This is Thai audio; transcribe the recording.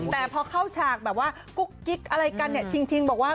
แต่พอเข้าฉากกุ๊กกิ๊กอะไรกันจริงบอกว่า